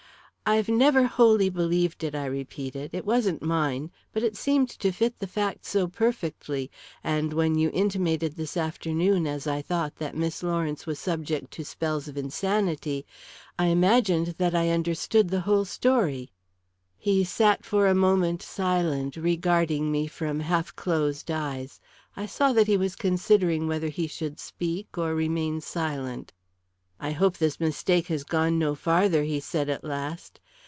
"I've never wholly believed it," I repeated. "It wasn't mine. But it seemed to fit the facts so perfectly, and when you intimated this afternoon, as I thought, that Miss Lawrence was subject to spells of insanity, I imagined that I understood the whole story." He sat for a moment silent, regarding me from half closed eyes; I saw that he was considering whether he should speak or remain silent. "I hope this mistake has gone no farther," he said, at last.